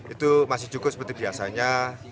itu masih cukup seperti biasanya